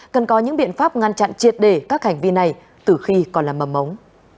cần có những biện pháp ngăn chặn triệt để các hành vi này từ khi còn là mầm ống